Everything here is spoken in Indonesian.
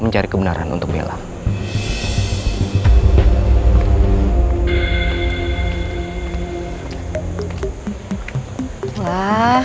mencari kebenaran untuk bella